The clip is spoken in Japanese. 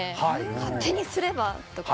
勝手にすればとか。